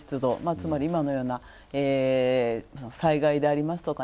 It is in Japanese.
つまり今のような災害でありますとか